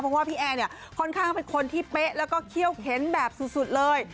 เพราะว่าพี่แอร์เนี่ยค่อนข้างเป็นคนที่เป๊ะแล้วก็เขี้ยวเข็นแบบสุดเลย